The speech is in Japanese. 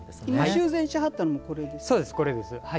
修繕しはったのこれですか。